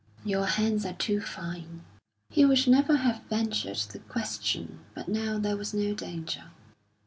"Your hands are too fine." He would never have ventured the question, but now there was no danger.